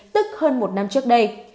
tức hơn một năm trước đây